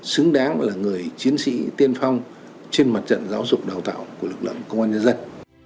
xứng đáng là người chiến sĩ tiên phong trên mặt trận giáo dục đào tạo của lực lượng công an nhân dân